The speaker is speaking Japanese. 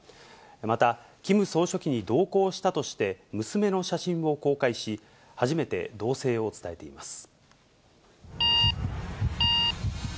また、キム総書記に同行したとして、娘の写真を公開し、初めて動静を伝えています。